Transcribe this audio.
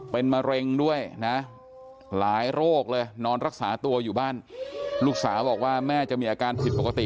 เป็นมะเร็งด้วยนะหลายโรคเลยนอนรักษาตัวอยู่บ้านลูกสาวบอกว่าแม่จะมีอาการผิดปกติ